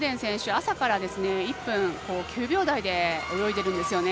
朝から１分９秒台で泳いでいるんですね。